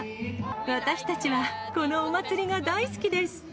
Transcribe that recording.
私たちは、このお祭りが大好きです。